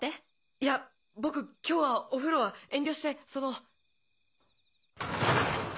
いや僕今日はお風呂は遠慮してその。